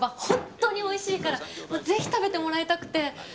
本当においしいからぜひ食べてもらいたくて。